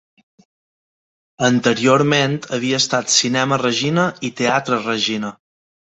Anteriorment havia estat Cinema Regina i Teatre Regina.